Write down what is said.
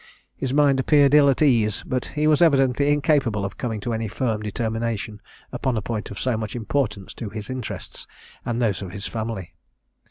His mind appeared ill at ease, but he was evidently incapable of coming to any firm determination upon a point of so much importance to his interests and those of his family.